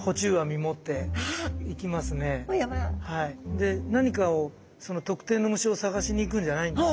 で何かを特定の虫を探しに行くんじゃないんです。